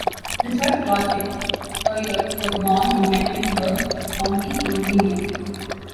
Richard Clauselle Puryear was born in Mecklenburg County, Virginia.